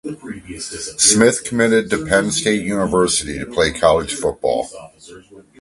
Smith committed to Penn State University to play college football.